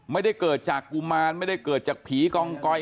ไม่ได้เกิดจากกุมารไม่ได้เกิดจากผีกองกอย